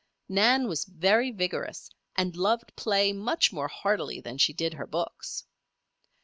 Nan was very vigorous, and loved play much more heartily than she did her books.